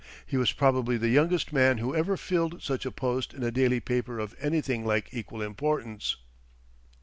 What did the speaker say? He was probably the youngest man who ever filled such a post in a daily paper of anything like equal importance.